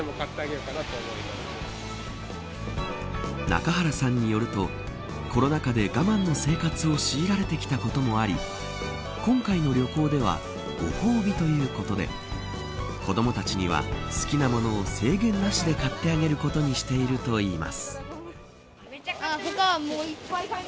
中原さんによるとコロナ禍で我慢の生活をしいられてきたこともあり今回の旅行ではご褒美ということで子どもたちには、好きなものを制限なしで買ってあげることにしているといいます。